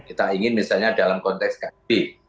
kita ingin misalnya dalam konteks kib